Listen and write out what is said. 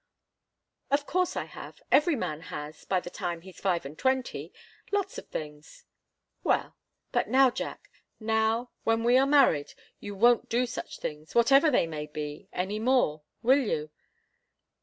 "Of course I have. Every man has, by the time he's five and twenty lots of things." "Well but now, Jack now, when we are married, you won't do such things whatever they may be any more will you?"